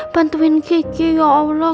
bantuin kiki ya allah